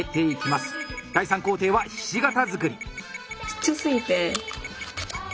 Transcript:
第３工程はひし形作り。